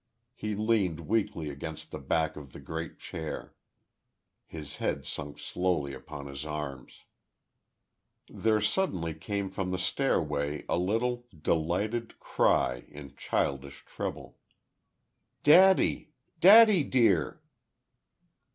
He leaned weakly against the back of the great chair.... His head sunk slowly upon his arms.... There came suddenly from the stairway a little, delighted, cry in childish treble. "Daddy! Daddy, dear!"